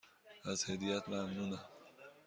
از هدیهات ممنونم.